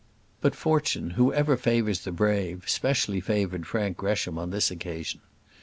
But fortune, who ever favours the brave, specially favoured Frank Gresham on this occasion.